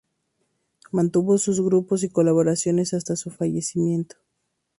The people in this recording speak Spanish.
Mantuvo sus grupos y colaboraciones hasta su fallecimiento.